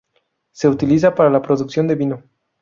Se utiliza para la producción de vino.